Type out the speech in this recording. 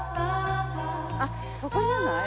あっそこじゃない？